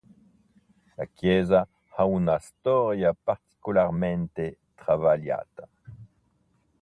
La chiesa ha una storia particolarmente travagliata.